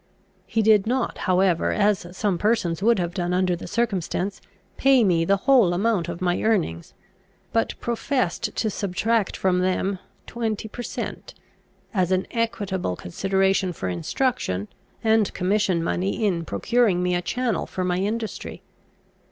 He did not however, as some persons would have done under the circumstance, pay me the whole amount of my earnings, but professed to subtract from them twenty per cent, as an equitable consideration for instruction, and commission money in procuring me a channel for my industry.